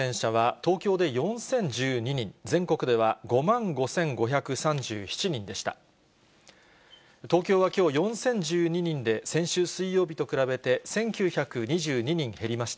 東京はきょう、４０１２人で、先週水曜日と比べて１９２２人減りました。